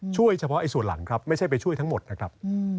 เฉพาะส่วนหลังครับไม่ใช่ไปช่วยทั้งหมดนะครับ